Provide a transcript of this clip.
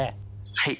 はい。